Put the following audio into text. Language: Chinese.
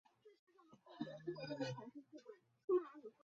直茎鼠曲草为菊科鼠曲草属下的一个种。